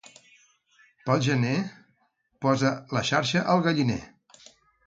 Pel gener posa la xarxa al galliner.